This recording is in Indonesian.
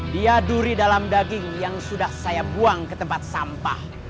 dia duri dalam daging yang sudah saya buang ke tempat sampah